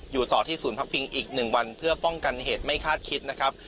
ต่อที่ศูนย์พักพิงอีก๑วันเพื่อป้องกันเหตุไม่คาดคิดนะครับ